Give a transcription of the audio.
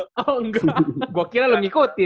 oh enggak gua kira lu ngikutin